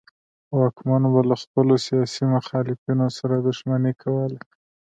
واکمنو به له خپلو سیاسي مخالفینو سره دښمني کوله.